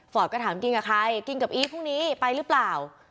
ฟอร์ตก็ถามกินกับใครเก็บผู้นี้ไปหรือเปล่า